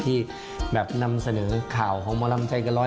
ที่แบบนำเสนอข่าวของหมอลำใจเกินร้อย